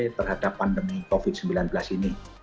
terhadap pandemi covid sembilan belas ini